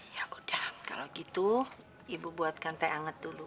ya udah kalau gitu ibu buatkan teh anget dulu